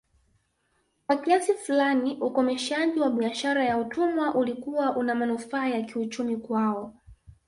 Kwa kiasi fulani ukomeshaji wa biashara ya utumwa ulikuwa unamanufaa ya kiuchumi kwao